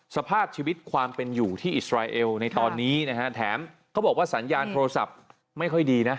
สภาพชีวิตความเป็นอยู่ที่อิสราเอลในตอนนี้นะฮะแถมเขาบอกว่าสัญญาณโทรศัพท์ไม่ค่อยดีนะ